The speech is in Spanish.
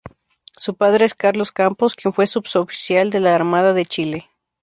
Su padre es Carlos Campos, quien fue suboficial de la Armada de Chile.